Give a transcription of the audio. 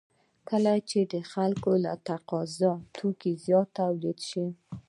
کله چې د خلکو له تقاضا زیات توکي تولید شي